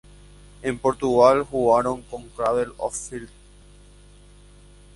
En Portugal, jugaron con Cradle Of Filth.